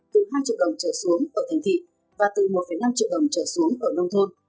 từ hai triệu đồng trở xuống ở thành thị và từ một năm triệu đồng trở xuống ở nông thôn